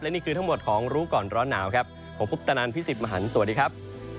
นี่คือทั้งหมดของรู้ก่อนร้อนหนาวครับผมพุทธนันพี่สิทธิ์มหันฯสวัสดีครับ